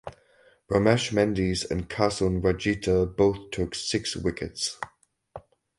Ramesh Mendis and Kasun Rajitha both took six wickets.